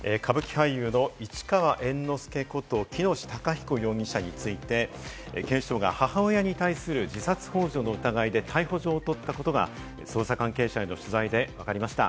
歌舞伎俳優の市川猿之助こと喜熨斗孝彦容疑者について、警視庁が母親に対する自殺ほう助の疑いで逮捕状を取ったことが捜査関係者への取材でわかりました。